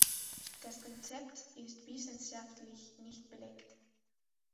Das Konzept ist wissenschaftlich nicht belegt.